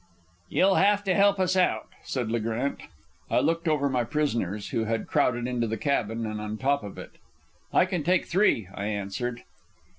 "You'll have to help us out," said Le Grant. I looked over my prisoners, who had crowded into the cabin and on top of it. "I can take three," I answered.